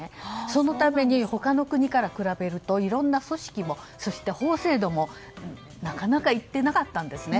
そのために他の国から比べるといろんな組織もそして法制度もなかなかいってなかったんですね。